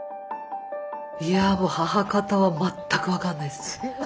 いやもう母方は全く分かんないです。